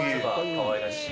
かわいらしい。